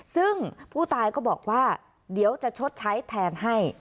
ซึ่งผู้ตายก็บอกว่าเดี๋ยวจะชดใช้แทนให้